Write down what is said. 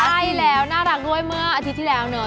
ใช่แล้วน่ารักด้วยเมื่ออาทิตย์ที่แล้วเนอะ